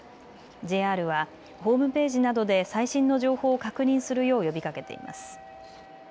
ＪＲはホームページなどで最新の情報を確認するよう呼びかけています。